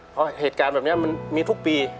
เพราะเหตุการณ์แบบนี้มันมีทุกปี